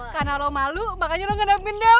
karena lu malu makanya lo ngendap ngendap